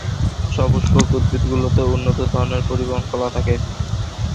সপুষ্পক উদ্ভিদ গুলোতে উন্নত ধরনের পরিবহন কলা থাকে।